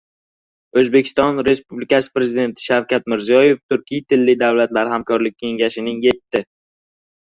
O‘zbekiston Respublikasi Prezidenti Shavkat Mirziyoev Turkiy tilli davlatlar hamkorlik kengashining yetti